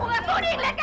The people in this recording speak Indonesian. jangan sendiri aja